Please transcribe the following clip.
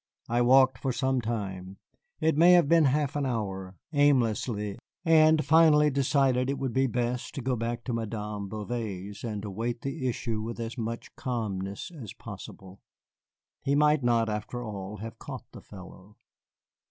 I walked for some time it may have been half an hour aimlessly, and finally decided it would be best to go back to Madame Bouvet's and await the issue with as much calmness as possible. He might not, after all, have caught the fellow.